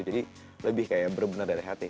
jadi lebih kayak benar benar dari hati